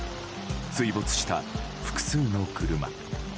水没した複数の車。